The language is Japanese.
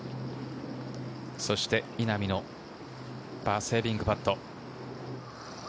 そして稲見のパーセービングパット。